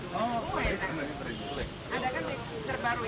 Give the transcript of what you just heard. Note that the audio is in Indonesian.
kota di jemaah